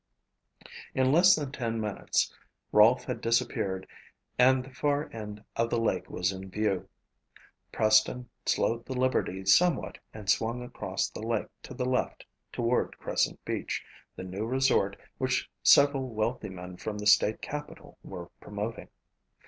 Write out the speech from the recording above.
In less than ten minutes Rolfe had disappeared and the far end of the lake was in view. Preston slowed the Liberty somewhat and swung across the lake to the left toward Crescent Beach, the new resort which several wealthy men from the state capital were promoting.